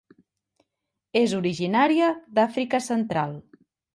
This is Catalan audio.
És originària d'Àfrica Central.